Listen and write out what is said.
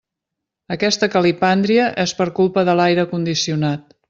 Aquesta calipàndria és per culpa de l'aire condicionat.